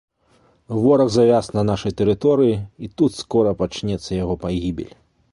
Вораг завяз на нашай тэрыторыі, і тут скора пачнецца яго пагібель.